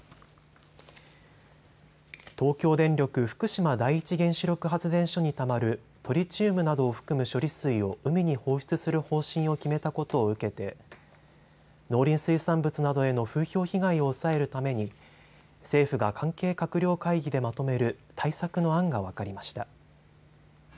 東京電力福島第一原子力発電所にたまるトリチウムなどを含む処理水を海に放出する方針を決めたことを受けて農林水産物などへの風評被害を抑えるために政府が関係閣僚会議でまとめる対策の案が分かりました。